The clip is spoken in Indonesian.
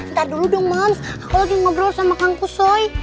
ntar dulu dong mams aku lagi ngobrol sama kangkusoi